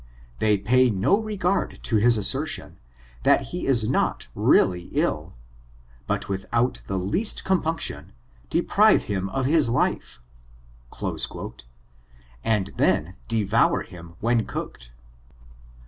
They pay no regard to his assertion, that he is not really ill, but without the least compunction, deprive him of his life," and then devoui;^him when cooked.